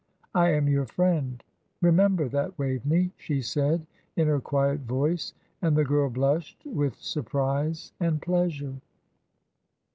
"I am your friend; remember that, Waveney," she said, in her quiet voice, and the girl blushed with surprise and pleasure.